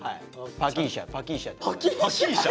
パキーシャパキーシャ。